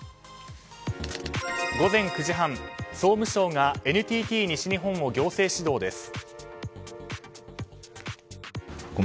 午前９時半総務省がＮＴＴ西日本を行政指導です。